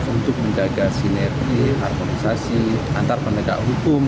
untuk menjaga sinergi harmonisasi antar penegak hukum